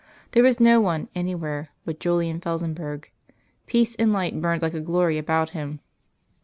There was no one, anywhere, but Julian Felsenburgh. Peace and light burned like a glory about Him.